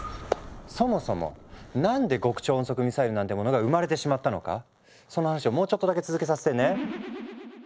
そもそもなんで極超音速ミサイルなんてものが生まれてしまったのかその話をもうちょっとだけ続けさせてね。